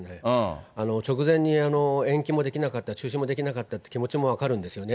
直前に延期もできなかった、中止もできなかったという気持ちも分かるんですよね。